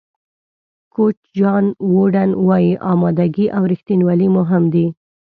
کوچ جان ووډن وایي آمادګي او رښتینولي مهم دي.